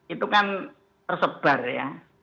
itu kan tersebar ya